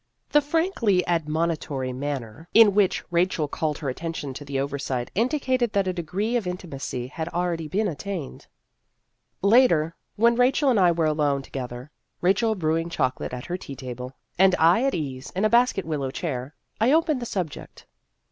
The frankly admonitory manner in which Rachel called her attention to the oversight indicated that a degree of intimacy had already been attained. Later, when Rachel and I were alone together Rachel brewing chocolate at her tea table and I at ease in a basket willow chair I opened the subject.